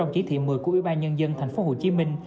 chí thị một mươi của ubnd thành phố hồ chí minh